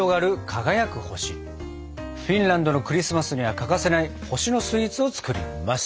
フィンランドのクリスマスには欠かせない星のスイーツを作ります！